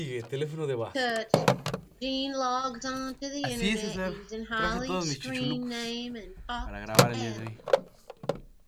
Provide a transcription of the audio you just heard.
Touched, Jean logs onto the internet using Holly's screen name and talks to Adam.